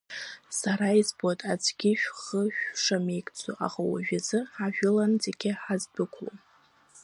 Сара избоит аӡәгьы шәхы шәшамеигӡо, аха уажәазы ҳжәыланы зегь ҳаздәықәлом.